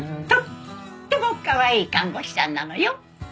とってもかわいい看護師さんなのよ。